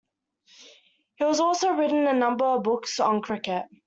He has also written a number of books on cricket.